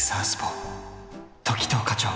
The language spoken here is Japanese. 時任課長！